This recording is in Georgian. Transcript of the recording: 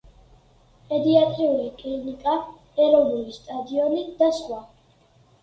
პედიატრიული კლინიკა, ეროვნული სტადიონი და სხვა.